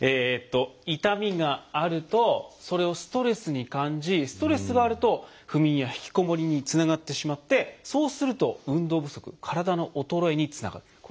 痛みがあるとそれをストレスに感じストレスがあると不眠や引きこもりにつながってしまってそうすると運動不足体の衰えにつながる。